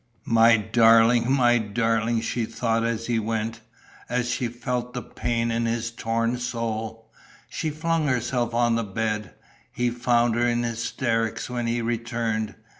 "My darling, my darling!" she thought, as he went, as she felt the pain in his torn soul. She flung herself on the bed. He found her in hysterics when he returned.